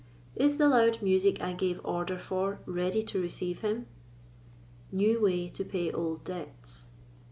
Is the loud music I gave order for Ready to receive him? New Way to Pay Old Debts.